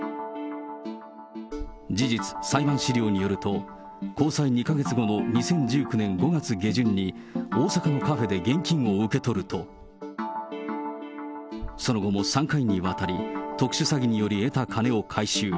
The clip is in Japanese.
事実、裁判資料によると、交際２か月後の２０１９年５月下旬に大阪のカフェで現金を受け取ると、その後も３回にわたり、特殊詐欺により得た金を回収。